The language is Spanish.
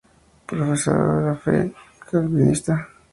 Profesaba la fe calvinista.